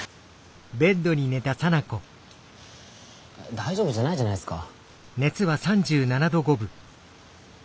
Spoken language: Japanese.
大丈夫じゃないじゃないすか。